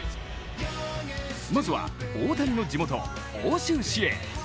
まずは大谷の地元、奥州市へ。